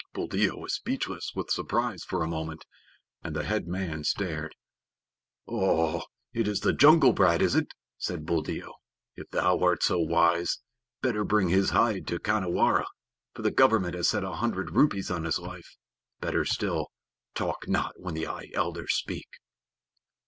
Buldeo was speechless with surprise for a moment, and the head man stared. "Oho! It is the jungle brat, is it?" said Buldeo. "If thou art so wise, better bring his hide to Khanhiwara, for the Government has set a hundred rupees on his life. Better still, talk not when thy elders speak."